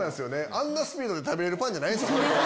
あんなスピードで食べるパンじゃないですよ、本当は。